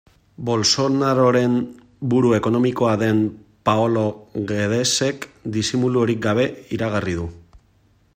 Bolsonaroren buru ekonomikoa den Paolo Guedesek disimulurik gabe iragarri du.